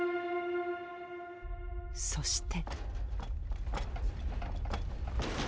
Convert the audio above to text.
そして。